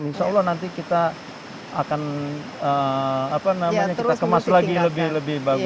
insya allah nanti kita akan apa namanya kita kemas lagi lebih lebih bagus